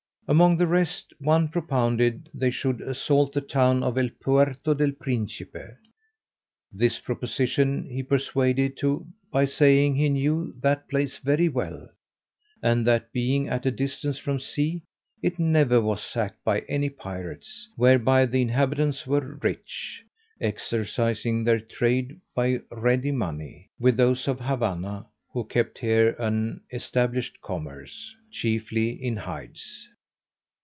Among the rest, one propounded they should assault the town of El Puerto del Principe. This proposition he persuaded to, by saying he knew that place very well, and that being at a distance from sea, it never was sacked by any pirates, whereby the inhabitants were rich, exercising their trade by ready money, with those of Havanna who kept here an established commerce, chiefly in hides.